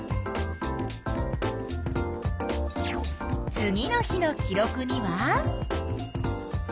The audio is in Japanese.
次の日の記録には？